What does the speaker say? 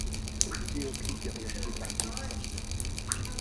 Le vidéoclip est réalisé par Jim Sonzero.